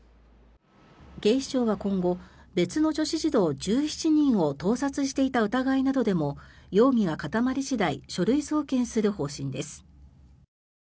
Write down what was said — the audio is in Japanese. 警視庁は今後別の女子児童１７人を盗撮していた疑いなどでも容疑が固まり次第書類送検する方針です。